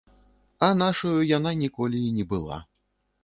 А нашаю яна ніколі й не была.